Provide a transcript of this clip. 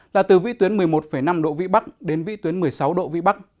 là từ vĩ tuyến một mươi một năm độ vĩ bắc đến vĩ tuyến một mươi sáu độ vĩ bắc